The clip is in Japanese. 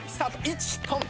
１トン。